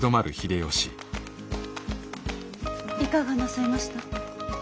いかがなさいました？